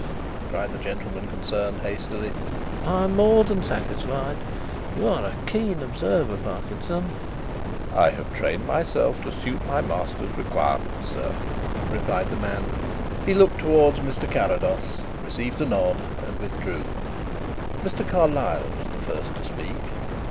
cried the gentleman concerned hastily. "I am more than satisfied. You are a keen observer, Parkinson." "I have trained myself to suit my master's requirements, sir," replied the man. He looked towards Mr. Carrados, received a nod and withdrew. Mr. Carlyle was the first to speak.